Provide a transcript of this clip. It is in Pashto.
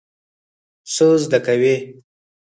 څه زده کوئ؟